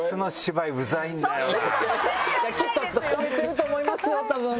きっと褒めてると思いますよ。